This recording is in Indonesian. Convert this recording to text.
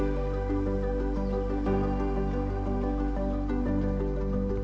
salah satu kali menjahit bahwa bahan besar suatuium ketinggalan kumpulan ini di laut kilepang ini